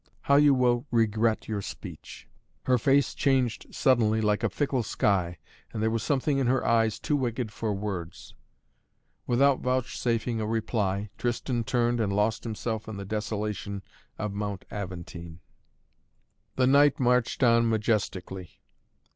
How you will regret your speech!" Her face changed suddenly like a fickle sky, and there was something in her eyes too wicked for words. Without vouchsafing a reply, Tristan turned and lost himself in the desolation of Mount Aventine. The night marched on majestically.